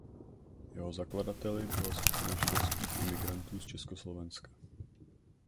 Jeho zakladateli byla skupina židovských imigrantů z Československa.